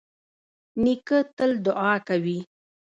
نیکه تل دعا کوي.